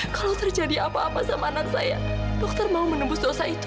kalau terjadi apa apa sama anak saya dokter mau menembus dosa itu